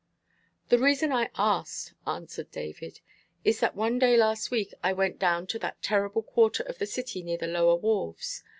"The reason I asked," answered David, "is that one day last week I went down to that terrible quarter of the city near the lower wharves.